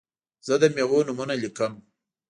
زه د میوو نومونه لیکم.